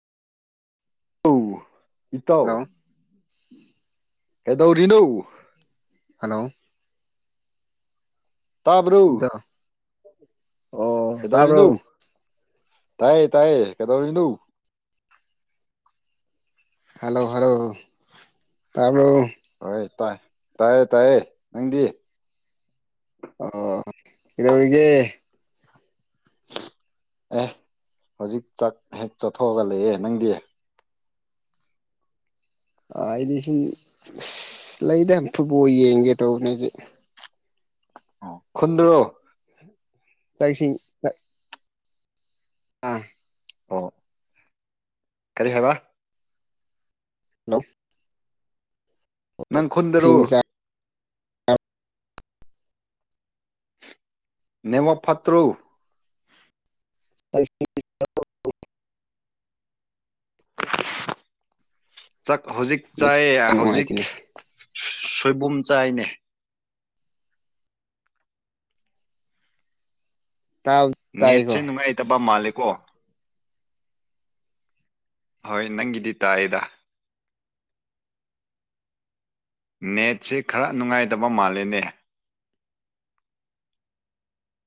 ꯑꯧ ꯏꯇꯥꯎ ꯍꯜꯂꯣ ꯀꯩꯗꯧꯔꯤꯅꯣ ꯍꯜꯂꯣ ꯇꯥꯕ꯭ꯔꯣ ꯑꯣ ꯇꯥꯕ꯭ꯔꯣ ꯀꯩꯗꯧꯔꯤꯅꯣ ꯇꯥꯏꯌꯦ ꯇꯥꯏꯌꯦ ꯀꯩꯗꯧꯔꯤꯅꯣ ꯍꯜꯂꯣ ꯍꯜꯂꯣ ꯇꯥꯕ꯭ꯔꯣ ꯍꯣꯏ ꯇꯥꯏ ꯇꯥꯏꯌꯦ ꯇꯥꯏꯌꯦ ꯅꯪꯗꯤ ꯑꯣ ꯀꯩꯗꯧꯔꯤꯒꯦ ꯑꯦ ꯍꯧꯖꯤꯛ ꯆꯠ ꯍꯦꯛ ꯆꯠꯊꯣꯛꯑꯒ ꯂꯩꯌꯦ ꯅꯪꯗꯤ ꯑꯩꯗꯤ ꯁꯨꯝ ꯂꯩꯗ ꯐꯨꯠꯕꯣ ꯌꯦꯡꯒꯦ ꯇꯧꯕꯅꯦ ꯍꯧꯖꯤꯛ ꯈꯨꯟꯗꯔꯣ ꯇꯩꯁꯤꯡ ꯑꯥ ꯑꯣ ꯀꯔꯤ ꯍꯥꯏꯕ ꯍꯜꯂꯣ ꯅꯪ ꯆꯥꯛ ꯈꯨꯟꯗꯔꯣ ꯏꯁꯤꯡꯗꯤ ꯆꯥ ꯅꯦꯠꯋꯥꯛ ꯐꯠꯇ꯭ꯔꯣ [unintelligible] ꯆꯥꯛ ꯍꯧꯖꯤꯛ ꯆꯥꯏꯌꯦ ꯍꯧꯖꯤꯛ ꯅꯨꯡꯉꯥꯏꯇꯦꯅꯦ ꯁꯣꯏꯕꯨꯝ ꯆꯥꯏꯅꯦ ꯇꯥꯕ ꯇꯥꯏꯀꯣ ꯅꯦꯠꯁꯦ ꯅꯨꯡꯉꯥꯏꯇꯕ ꯃꯥꯜꯂꯤ ꯀꯣ ꯍꯣꯏ ꯅꯪꯒꯤꯗꯤ ꯇꯥꯏꯌꯦꯗ ꯅꯦꯠꯁꯦ ꯈꯔ ꯅꯨꯡꯉꯥꯏꯗꯕ ꯃꯥꯜꯂꯦꯅꯦ